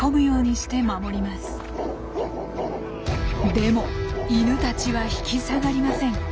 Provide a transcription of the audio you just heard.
でもイヌたちは引き下がりません。